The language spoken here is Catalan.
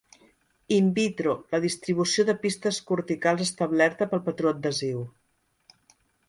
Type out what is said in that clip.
"In vitro", la distribució de pistes corticals establerta pel patró adhesiu.